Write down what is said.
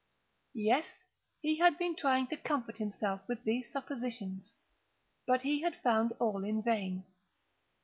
Yes, he had been trying to comfort himself with these suppositions: but he had found all in vain.